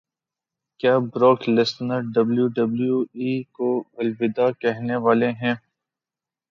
کیا Brock Lesnar W W E کو الوداع کہنے والے ہیں